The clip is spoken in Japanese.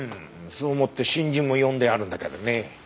そう思って新人も呼んであるんだけどね。